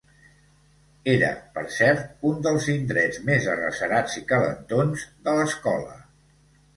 ...era, per cert, un dels indrets més arrecerats i calentons de l'Escola.